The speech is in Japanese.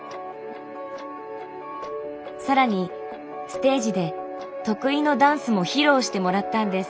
更にステージで得意のダンスも披露してもらったんです。